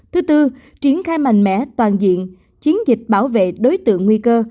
thứ tư triển khai mạnh mẽ toàn diện chiến dịch bảo vệ đối tượng nguy cơ